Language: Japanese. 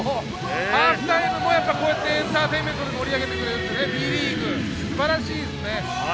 ハーフタイムもエンターテインメントで盛り上げてくれるというＢリーグ、素晴らしいですよね。